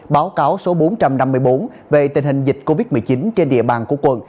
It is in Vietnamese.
báo cáo số bốn trăm năm mươi bốn về tình hình dịch covid một mươi chín trên địa bàn của quận